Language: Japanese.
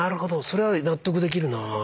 それは納得できるな。